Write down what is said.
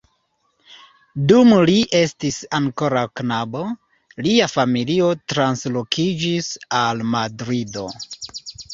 Dum li estis ankoraŭ knabo, lia familio translokiĝis al Madrido.